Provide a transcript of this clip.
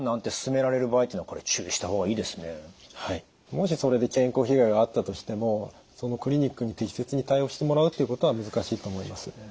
もしそれで健康被害があったとしてもそのクリニックに適切に対応してもらうっていうことは難しいと思います。